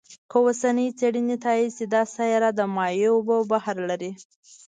که اوسنۍ څېړنې تایید شي، دا سیاره د مایع اوبو بحر لري.